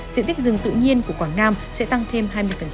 diện tích rừng tự nhiên của quảng nam sẽ tăng thêm hai mươi